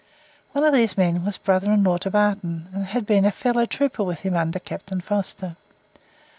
One of these men was brother in law to Barton, and had been a fellow trooper with him under Captain Foster.